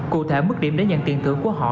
cụ thể mức điểm để nhận tiền thưởng của họ